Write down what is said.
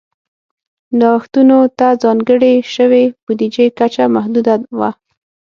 نوښتونو ته ځانګړې شوې بودیجې کچه محدوده وه.